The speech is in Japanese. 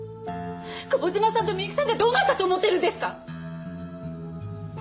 久保島さんと深雪さんがどうなったと思ってるんですか！